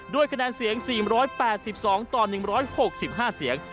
คะแนนเสียง๔๘๒ต่อ๑๖๕เสียง